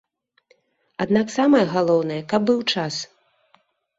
Аднак самае галоўнае, каб быў час.